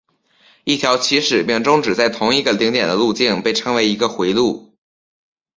一条起始并终止在同一个顶点的路径被称为一个回路。